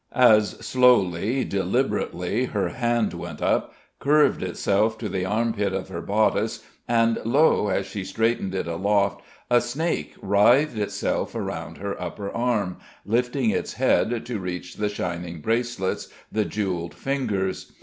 As slowly, deliberately, her hand went up, curved itself to the armpit of her bodice; and lo! as she straightened it aloft, a snake writhed itself around her upper arm, lifting its head to reach the shining bracelets, the jewelled fingers.